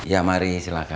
ya mari silahkan